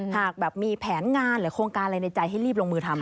หากแบบมีแผนงานหรือโครงการอะไรในใจให้รีบลงมือทำ